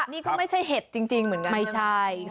นี่ก็ไม่ใช่เห็ดจริงเหมือนกันใช่ไหมครับไม่ใช่